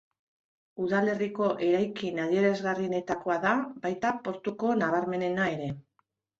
Udalerriko eraikin adierazgarrienetakoa da, baita portuko nabarmenena ere.